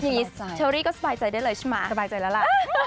เชอรี่ก็สบายใจได้เลยใช่ไหมสบายใจแล้วล่ะ